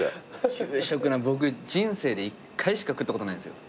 給食な僕人生で１回しか食ったことないんすよ。